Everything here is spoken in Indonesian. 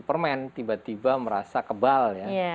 karena kemungkinan seperti superman tiba tiba merasa kebal ya